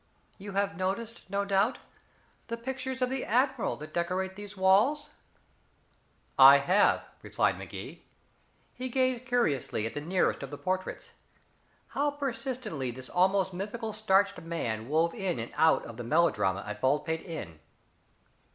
You have noticed, no doubt, the pictures of the admiral that decorate these walls?" "I have," replied Magee. He gazed curiously at the nearest of the portraits. How persistently this almost mythical starched man wove in and out of the melodrama at Baldpate Inn.